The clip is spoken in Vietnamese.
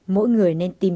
mỗi người nên tìm